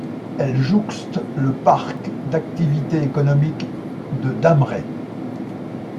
Elle jouxte le parc d'activités économiques de Damré.